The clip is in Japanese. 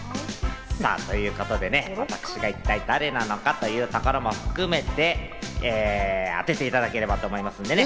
さぁ、ということでね、私が一体誰なのかということも含めて、当てていただければなと思いますけどね。